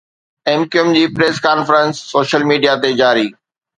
M Q M جي press conference social media تي جاري